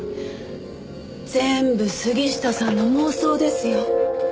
全部杉下さんの妄想ですよ。